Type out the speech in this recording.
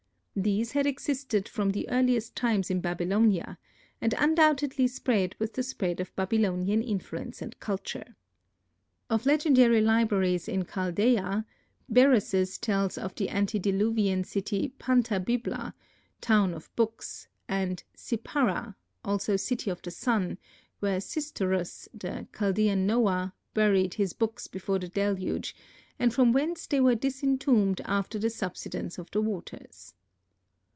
These had existed from the earliest times in Babylonia, and undoubtedly spread with the spread of Babylonian influence and culture. Of legendary libraries in Chaldea, Berosus tells of the antediluvian city Pantabibla, town of Books, and Sippara, also City of the Sun, where Xisthurus, the Chaldean Noah, buried his books before the Deluge, and from whence they were disentombed after the subsidence of the waters.